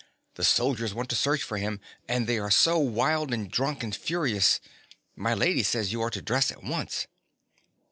The soldiers want to search for him; and they are so wild and drunk and furious. My lady says you are to dress at once.